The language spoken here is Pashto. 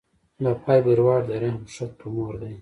د فایبروایډ د رحم ښه تومور دی.